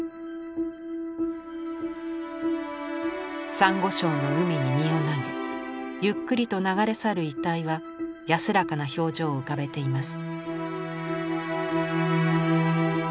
さんご礁の海に身を投げゆっくりと流れ去る遺体は安らかな表情を浮かべています。